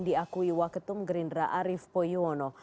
diakui waketum gerindra arief poyuwono